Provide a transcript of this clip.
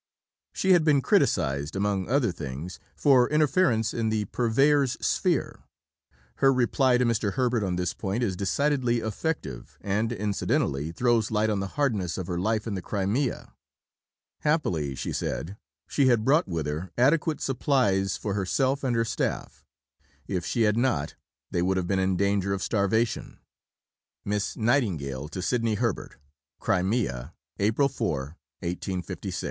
She had been criticized, among other things, for interference in the Purveyor's sphere. Her reply to Mr. Herbert on this point is decidedly effective, and incidentally throws light on the hardness of her life in the Crimea. Happily, she said, she had brought with her adequate supplies for herself and her staff. If she had not, they would have been in danger of starvation: (Miss Nightingale to Sidney Herbert.) CRIMEA, April 4 .